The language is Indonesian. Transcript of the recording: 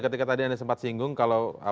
ketika tadi anda sempat singgung kalau